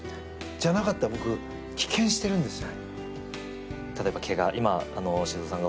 じゃなかったら僕、棄権してるんですよ。